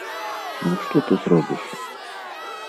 Ну што ты зробіш?